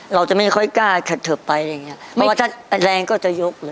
เราจะไม่ค่อยกล้าขัดเทิบไปอะไรอย่างเงี้ยเพราะว่าถ้าแรงก็จะยกเลย